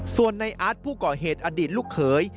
ส่วนในอาร์ตผู้ก่อเหตุอดีตลูกเขย